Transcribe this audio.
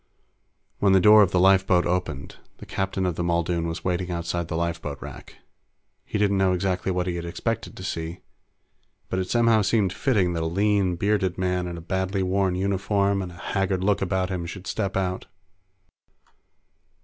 When the door of the lifeboat opened, the captain of the Muldoon was waiting outside the lifeboat rack. He didn't know exactly what he had expected to see, but it somehow seemed fitting that a lean, bearded man in a badly worn uniform and a haggard look about him should step out.